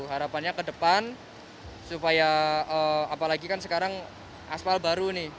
harapannya ke depan supaya apalagi kan sekarang aspal baru nih